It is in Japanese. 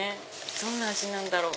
どんな味なんだろう？